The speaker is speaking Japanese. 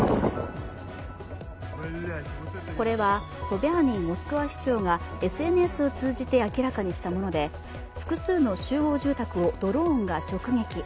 これはソビャーニンモスクワ市長がＳＮＳを通じて明らかにしたもので、複数の集合住宅をドローンが直撃。